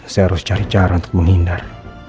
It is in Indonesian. saya harus cari cara untuk menghindar